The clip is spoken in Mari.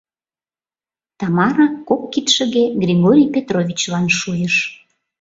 Тамара кок кидшыге Григорий Петровичлан шуйыш.